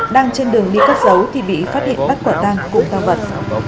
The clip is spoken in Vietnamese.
đang trên đường ly cắt dấu thì bị phát hiện bắt quả tăng cũng thang vật